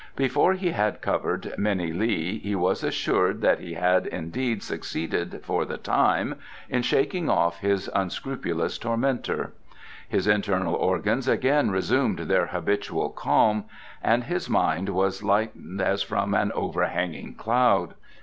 Before he had covered many li he was assured that he had indeed succeeded for the time in shaking off his unscrupulous tormentor. His internal organs again resumed their habitual calm and his mind was lightened as from an overhanging cloud.